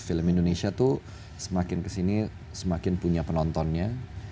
film indonesia tuh semakin kesini semakin punya penontonnya